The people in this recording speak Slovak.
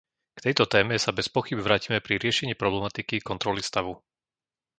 K tejto téme sa bez pochýb vrátime pri riešení problematiky kontroly stavu.